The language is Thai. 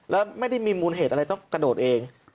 แล้วไม่ได้มีมูลเหตุอะไรต้องกระโดดเอง